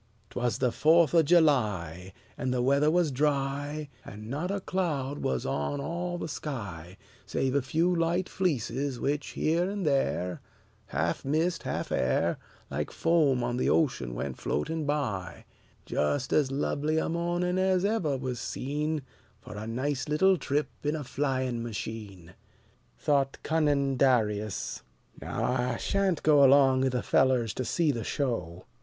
'T was the Fourth of July, And the weather was dry, And not a cloud was on all the sky, Save a few light fleeces, which here and there, Half mist, half air, Like foam on the ocean went floating by: Just as lovely a morning as ever was seen For a nice little trip in a flying machine. Thought cunning Darius: "Now I shan't go Along 'ith the fellers to see the show.